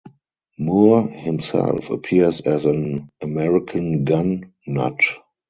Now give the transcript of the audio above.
Moore himself appears as an American gun nut.